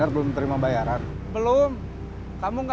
ker compromising yang construksi oleh